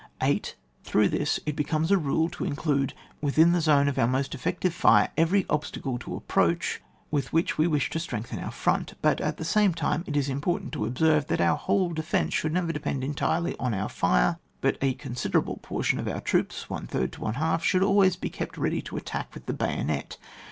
8. Through this it becomes a role to include wi&in the zone of our most effective fire, eveiy obstacle to approach with which we wish to streng^en our front. But at the same time, it is im portant to observe, that our whole defence should never depend entirely on our fire, but a considerable portion of our troops (one third to one half) should alwaj^ be kept ready to attack with the bayonet.